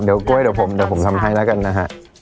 เดี๋ยวก้วยเดี๋ยวผมทำให้แล้วกันน่ะฮะ